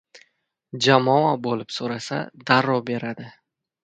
Jamoa bo‘lib so‘rasa, darrov beradi!